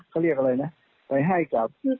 เขาเรียกอะไรนะไปให้กับ